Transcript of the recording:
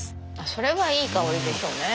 それはいい香りでしょうね。